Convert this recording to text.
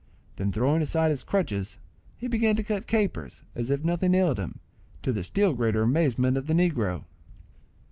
Then throwing aside his crutches, he began to cut capers, as if nothing ailed him, to the still greater amazement of the negro.